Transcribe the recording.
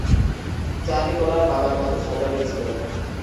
জানি তোর আর বাবার মধ্যে ঝগড়া হয়েছিলো।